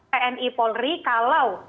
tni polri kalau